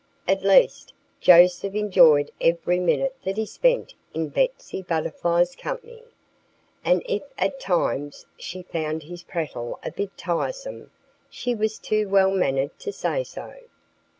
At least, Joseph enjoyed every minute that he spent in Betsy Butterfly's company. And if at times she found his prattle a bit tiresome, she was too well mannered to say so.